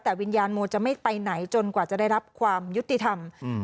แต่วิญญาณโมจะไม่ไปไหนจนกว่าจะได้รับความยุติธรรม